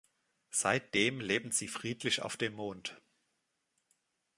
Seitdem leben sie friedlich auf dem Mond.